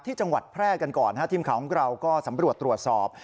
ที่จังหวัดแพร่กันก่อนทีมข่าวของเราก็สำรวจตรวจสอบ